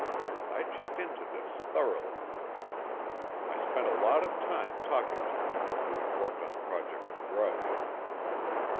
I checked into this thoroughly. I spent a lot of time talking to people who had worked on Project Grudge.